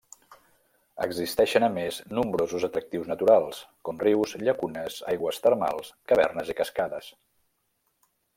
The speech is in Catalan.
Existeixen a més nombrosos atractius naturals, com rius, llacunes, aigües termals, cavernes i cascades.